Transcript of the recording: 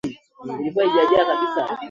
Msiba mejiletea, nimekila kiso takata,